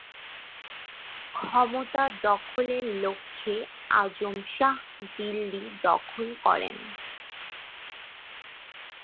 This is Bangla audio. ক্ষমতা দখলের লক্ষ্যে আজম শাহ দিল্লি দখল করেন।